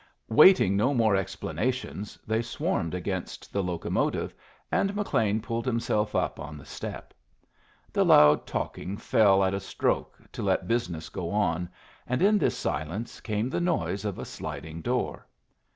Waiting no more explanations, they swarmed against the locomotive, and McLean pulled himself up on the step. The loud talking fell at a stroke to let business go on, and in this silence came the noise of a sliding door.